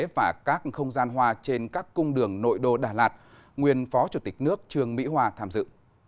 và các không gian hoa trên các cung đường nội đô đà lạt nguyên phó chủ tịch nước trương mỹ hoa tham dự